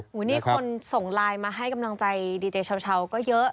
โอ้โหนี่คนส่งไลน์มาให้กำลังใจดีเจเช้าก็เยอะ